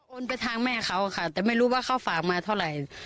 ไปทางแม่เขาค่ะแต่ไม่รู้ว่าเขาฝากมาเท่าไหร่